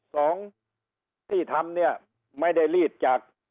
สองที่ทำเนี่ยไม่ได้รีดจาก